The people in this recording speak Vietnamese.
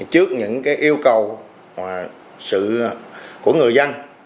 trước những yêu cầu của người dân